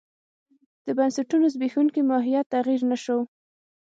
د بنسټونو زبېښونکی ماهیت تغیر نه شو.